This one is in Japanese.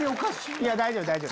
いや大丈夫大丈夫。